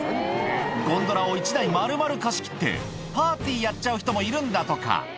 ゴンドラを１台丸々貸し切って、パーティーやっちゃう人もいるんだとか。